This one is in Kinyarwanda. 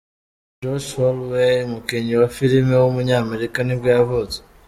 Josh Holloway, umukinnyi wa filime w’umunyamerika nibwo yavutse.